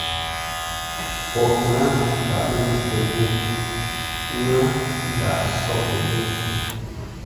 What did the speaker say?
Poghʼ ŋə̂ ndǎghʼ ngúʼtə́ ghô, Ŋə̂ ndǎghʼ nsóghʼə́ ghô.